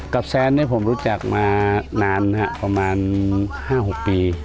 กับแซนเนี้ยผมรู้จักมานานฮะประมาณห้าหกปี